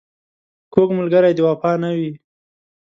کوږ ملګری د وفا نه وي